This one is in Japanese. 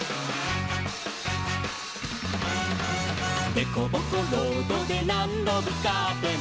「でこぼこロードでなんどぶつかっても」